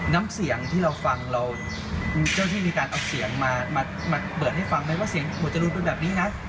น้ำเสียงที่เราฟังเราคุณเจ้าที่มีการเอาเสียงมาเปิดให้ฟังไหมว่าเสียงหมวดจรูนเป็นแบบนี้นะ